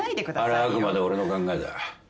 あれはあくまで俺の考えだ。